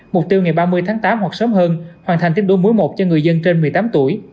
mục tiêu ngày ba mươi tháng tám hoặc sớm hơn hoàn thành tiêm đủ mũi một cho người dân trên một mươi tám tuổi